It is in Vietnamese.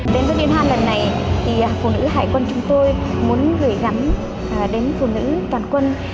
đến với liên hoan lần này thì phụ nữ hải quân chúng tôi muốn gửi gắm đến phụ nữ toàn quân